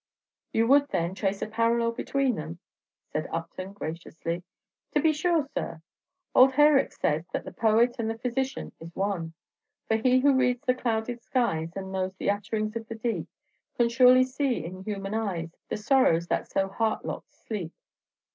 "You would, then, trace a parallel between them?" said Upton, graciously. "To be sure, sir! Ould Heyric says that the poet and the physician is one: "'For he who reads the clouded skies, And knows the utterings of the deep, Can surely see in human eyes The sorrows that so heart locked sleep.'